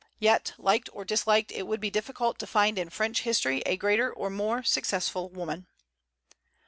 Yet, liked or disliked, it would be difficult to find in French history a greater or more successful woman.